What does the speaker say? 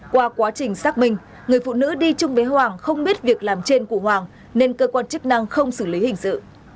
qua quá trình xác minh người phụ nữ đi chung với hoàng không biết việc làm trên của hoàng nên cơ quan chức năng không xử lý hình sự